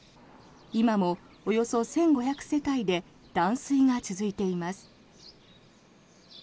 今もおよそ１５００世帯で断水が続いています。